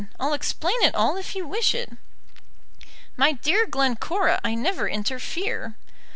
I'll explain it all if you wish it." "My dear Glencora, I never interfere."